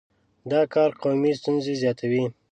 دا کار قومي ستونزې زیاتوي.